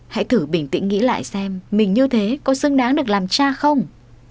hãy thử bình tĩnh nghĩ lại xem mình như thế có xứng đáng được làm cha không